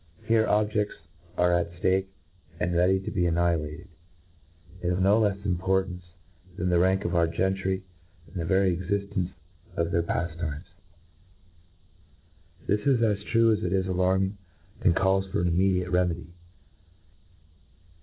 Here objefts are at {take, and ready to be annihilated^ of no lefs importance than the rank of our gentry, and the very cxiftence of their paftimes. This is as true as it is alarming, and calls for an immediate ret medy.